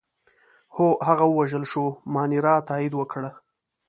هو، هغه ووژل شو، مانیرا تایید وکړه.